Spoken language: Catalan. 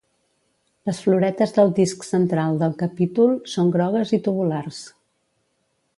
Les floretes del disc central del capítol són grogues i tubulars.